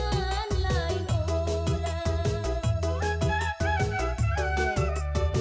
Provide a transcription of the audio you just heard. habis habisan pengorbanan cintaku